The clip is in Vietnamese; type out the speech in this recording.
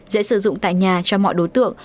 dễ sử dụng tại nhà cho mọi đối tượng